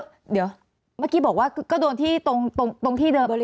เดี๋ยวเมื่อกี้บอกว่าก็โดนที่ตรงที่เดิม